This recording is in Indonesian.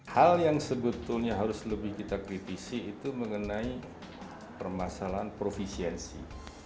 hal yang sebetulnya harus lebih kita kritisi itu mengenai permasalahan profisiensi